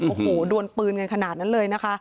โอ้โหดวนปืนกันขนาดนั้นเลยนะคะ